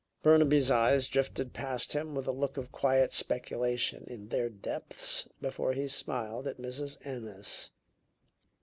Burnaby's eyes drifted past him with a look of quiet speculation in their depths, before he smiled at Mrs. Ennis.